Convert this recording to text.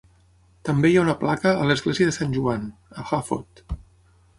També hi ha una placa a l'església de Sant Joan, a Hafod.